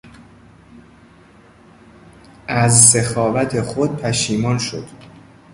از سخاوت خود پشیمان شد.